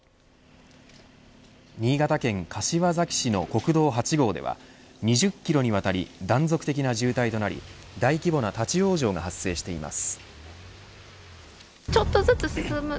新潟県柏崎市の国道８号では２０キロにわたり断続的な渋滞となり大規模な立ち往生が発生しています。